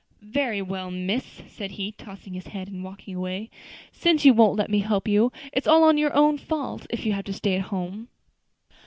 "Very well, miss," said he, tossing his head, and walking away, "since you won't let me help you, it is all your own fault if you have to stay at home."